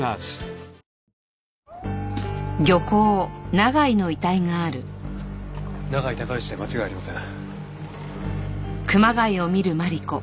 永井孝良で間違いありません。